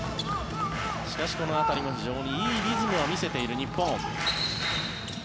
しかし、この辺りも非常にいいリズムは見せている日本。